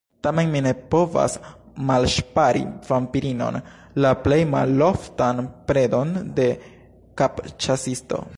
Tamen, mi ne povas malŝpari vampirinon, la plej maloftan predon de kapĉasisto.